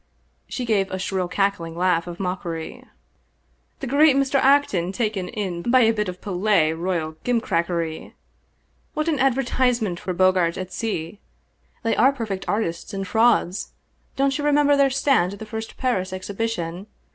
She gave a shrill cackling laugh of mockery. " The great Mr. Acton taken in by a bit of Palais Royal gimcrackery ! What an advertisement for Bogaerts et Cie I They are perfect artists in frauds. Don't you remember their stand at the first Paris Exhibition?